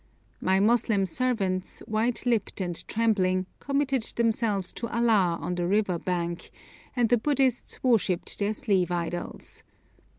My Moslem servants, white lipped and trembling, committed themselves to Allah on the river bank, and the Buddhists worshipped their sleeve idols.